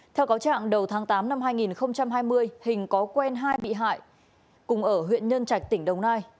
theo cáo trạng đầu tháng tám năm hai nghìn hai mươi hình có quen hai bị hại cùng ở huyện nhân trạch tỉnh đồng nai